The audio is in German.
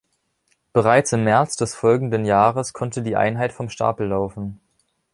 Bereits im März des folgenden Jahres konnte die Einheit vom Stapel laufen.